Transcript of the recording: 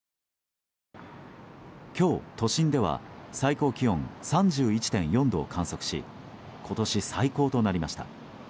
今日、都心では最高気温３１．４度を観測し今年最高となりました。